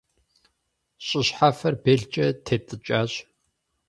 ЩӀы щхьэфэр белкӀэ тетӀыкӀащ.